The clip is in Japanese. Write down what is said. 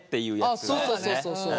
あっそうそうそうそう。